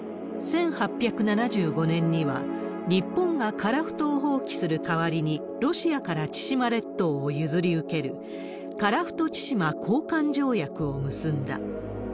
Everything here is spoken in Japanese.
１８７５年には、日本が樺太を放棄する代わりに、ロシアから千島列島を譲り受ける、樺太・千島交換条約を結んだ。